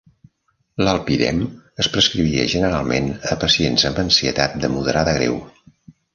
L'alpidem es prescrivia generalment a pacients amb ansietat de moderada a greu.